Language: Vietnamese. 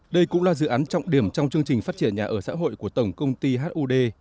đây cũng là dự án trọng điểm trong chương trình phát triển nhà ở xã hội của tổng công ty hud